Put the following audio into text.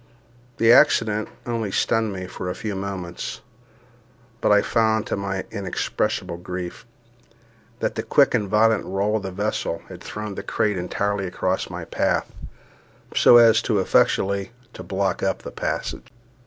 The accident only stunned me for a few moments; but I found, to my inexpressible grief, that the quick and violent roll of the vessel had thrown the crate entirely across my path, so as effectually to block up the passage.